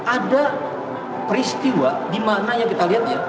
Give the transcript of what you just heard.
ada peristiwa di mana yang kita lihatnya